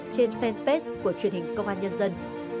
trên fanpage của truyền hình công an nhân dân